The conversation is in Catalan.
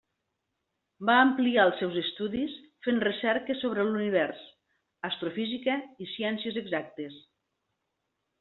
Va ampliar els seus estudis fent recerques sobre l'univers, astrofísica i ciències exactes.